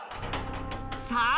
さあ